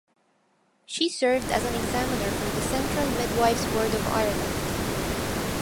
She served as an examiner for the Central Midwives Board of Ireland.